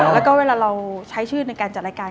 แล้วก็เวลาเราใช้ชื่อในการจัดรายการ